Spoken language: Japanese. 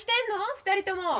２人とも。